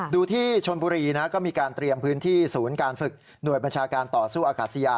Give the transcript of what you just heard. ดูที่ชนบุรีก็มีการเตรียมพื้นที่ศูนย์การฝึกหน่วยบัญชาการต่อสู้อากาศยา